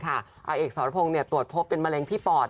อาเอกสรพงศ์ตรวจพบเป็นมะเร็งที่ปอด